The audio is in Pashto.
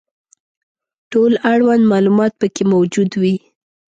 ټول اړوند معلومات پکې موجود وي.